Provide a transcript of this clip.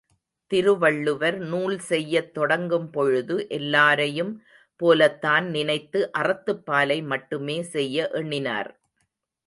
திருவள்ளுவர் நூல் செய்யத் தொடங்கும் பொழுது எல்லாரையும் போலத்தான் நினைத்து அறத்துப்பாலை மட்டுமே செய்ய எண்ணினார்.